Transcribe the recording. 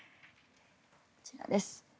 こちらです。